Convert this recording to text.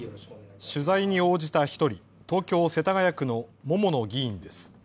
取材に応じた１人、東京世田谷区の桃野議員です。